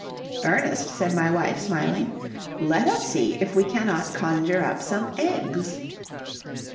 "Ernest," said my wife, smiling, "let us see if we cannot conjure up some eggs."